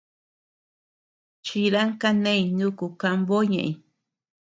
Chidan kaneñ nuku kambo ñeʼeñ.